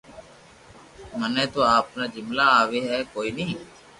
مني تو ايتا جملا آوي ھي ڪوئي ني